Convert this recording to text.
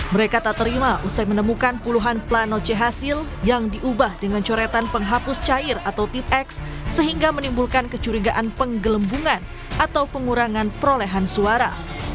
mereka tak terima usai menemukan puluhan plano c hasil yang diubah dengan coretan penghapus cair atau tip x sehingga menimbulkan kecurigaan penggelembungan atau pengurangan perolehan suara